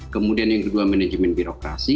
kemudian yang kedua manajemen birokrasi